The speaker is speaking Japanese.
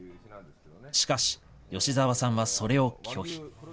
しかし、吉沢さんはそれを拒否。